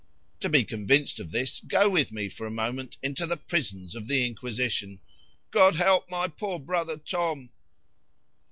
"To be convinced of this, go with me for a moment into the prisons of the Inquisition."—[God help my poor brother _Tom.